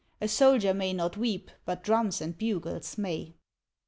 A soldier may not weep, but drums and bugles may.